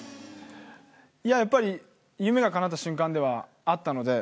いややっぱり夢がかなった瞬間ではあったので。